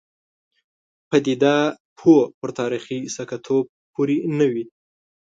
پدیده پوه پر تاریخي ثقه توب پورې نه وي.